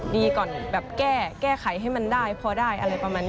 ดีก่อนแบบแก้ไขให้มันได้พอได้อะไรประมาณนี้